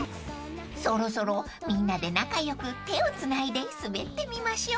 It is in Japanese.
［そろそろみんなで仲良く手をつないで滑ってみましょう］